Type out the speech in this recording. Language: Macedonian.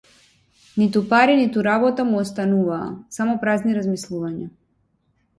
Ниту пари ниту работа му остануваа само празни размислувања.